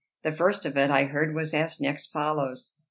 The first of it I heard was as next follows.